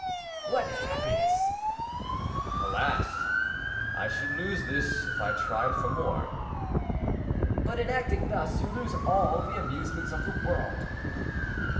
"What happiness!" "Alas! I should lose this, if I tried for more." "But in acting thus, you lose all the amusements of the world."